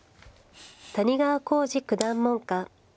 谷川浩司九段門下。